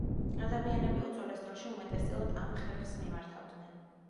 ადამიანები უძველეს დროში უმეტესწილად ამ ხერხს მიმართავდნენ.